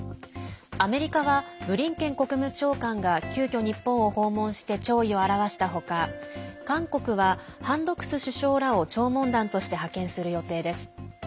アメリカはブリンケン国務長官が急きょ、日本を訪問して弔意を表したほか韓国はハン・ドクス首相らを弔問団として派遣する予定です。